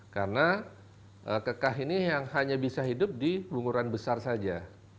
karena kekah ini yang hanya bisa hidup di bunguran besar saja